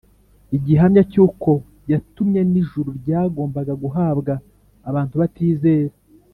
igihamya cy’uko yatumwe n’ijuru cyagombaga guhabwa abantu batizera